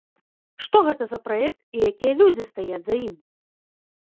Што гэта за праект і якія людзі стаяць за ім?